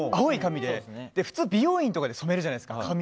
普通、美容院とかで染めるじゃないですか。